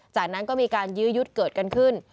จากนั้นก็มีการยื้อยุดเกิดกันขึ้น